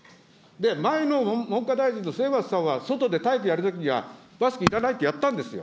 前の文科大臣の末松さんは外で体育やるときには、マスクいらないってやったんですよ。